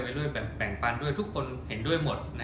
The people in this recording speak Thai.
เราก็ให้ล๒๔๗แบ่งปันทุกคนเห็นด้วยหมด